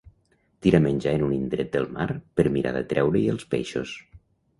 Tira menjar en un indret del mar per mirar d'atreure-hi els peixos.